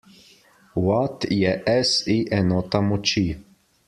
Watt je SI enota moči.